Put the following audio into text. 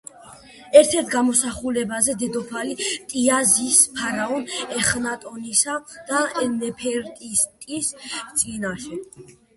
ერთ-ერთ გამოსახულებაზე დედოფალი ტიია ზის ფარაონ ეხნატონისა და ნეფერტიტის წინაშე.